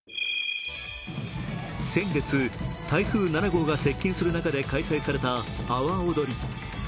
先月、台風７号が接近する中で開催された阿波おどり。